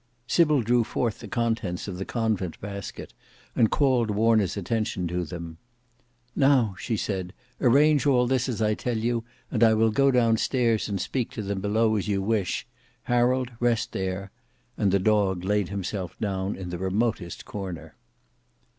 Sybil drew forth the contents of the convent basket, and called Warner's attention to them. "Now," she said, "arrange all this as I tell you, and I will go down stairs and speak to them below as you wish, Harold rest there;" and the dog laid himself down in the remotest corner.